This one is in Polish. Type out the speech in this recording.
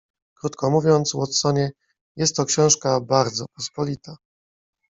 "Krótko mówiąc, Watsonie, jest to książka bardzo pospolita."